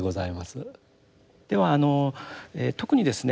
ではあの特にですね